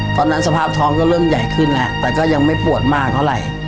สภาพท้องก็เริ่มใหญ่ขึ้นแล้วแต่ก็ยังไม่ปวดมากเท่าไหร่